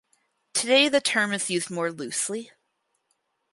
Today the term is used more loosely.